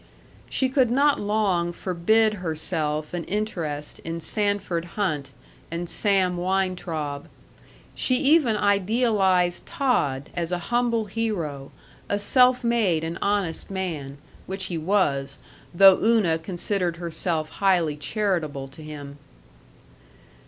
She could not long forbid herself an interest in Sanford Hunt and Sam Weintraub; she even idealized Todd as a humble hero, a self made and honest man, which he was, though Una considered herself highly charitable to him.